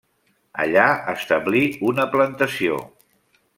Allà establí una plantació.